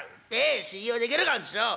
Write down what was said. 「信用できるかこんちくしょう。